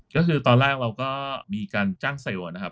ก็คือตอนแรกเราก็มีการจ้างเซลล์นะครับ